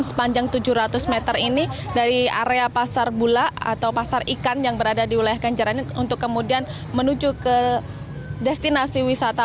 sepanjang tujuh ratus meter ini dari area pasar bulak atau pasar ikan yang berada di wilayah kenjaran ini